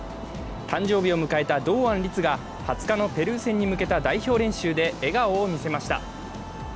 誕生日を迎えた堂安律が２０日のペルー戦に向けた代表練習で笑顔を見せました。